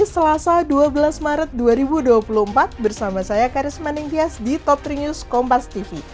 selasa dua belas maret dua ribu dua puluh empat bersama saya karis maning tias di top tiga news kompastv